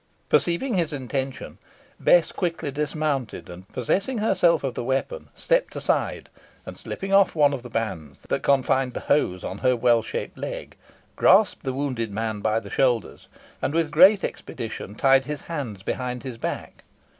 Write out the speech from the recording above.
Perceiving his intention, Bess quickly dismounted, and possessing herself of the weapon, stepped aside, and slipping off one of the bands that confined the hose on her well shaped leg, grasped the wounded man by the shoulders, and with great expedition tied his hands behind his back.